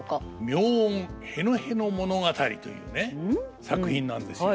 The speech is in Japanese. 「妙音へのへの物語」というね作品なんですよ。